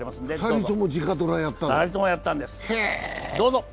２人とも直ドラをやったんです。